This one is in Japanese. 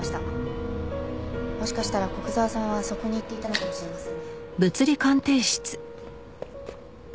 もしかしたら古久沢さんはそこに行っていたのかもしれませんね。